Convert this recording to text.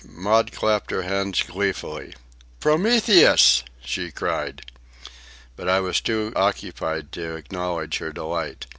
Maud clapped her hands gleefully. "Prometheus!" she cried. But I was too occupied to acknowledge her delight.